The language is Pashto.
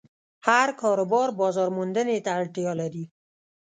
هر کاروبار بازارموندنې ته اړتیا لري.